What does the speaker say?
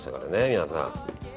皆さん。